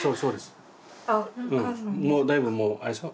もうだいぶもうあれでしょ？